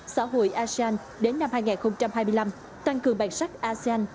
xã hội asean đến năm hai nghìn hai mươi năm tăng cường bản sắc asean